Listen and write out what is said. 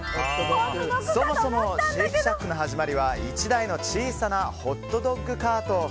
そもそもシェイクシャックの始まりは１台の小さなホットドッグカート。